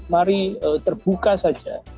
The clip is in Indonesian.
mari terbuka saja